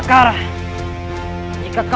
coba rai kenta